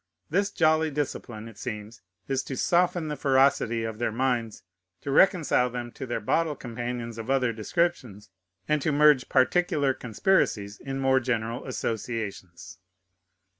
This jolly discipline, it seems, is to soften the ferocity of their minds, to reconcile them to their bottle companions of other descriptions, and to merge particular conspiracies in more general associations.